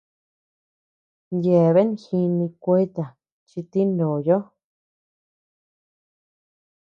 Yeabean jini kueta chi tiï ndoyo.